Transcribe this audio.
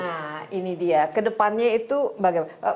nah ini dia kedepannya itu bagaimana